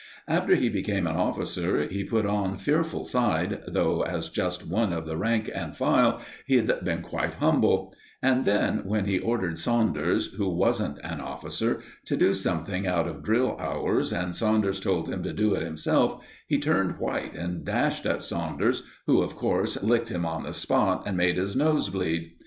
After he became an officer, he put on fearful side, though as just one of the rank and file he'd been quite humble; and then, when he ordered Saunders, who wasn't an officer, to do something out of drill hours, and Saunders told him to do it himself, he turned white and dashed at Saunders, who, of course, licked him on the spot and made his nose bleed.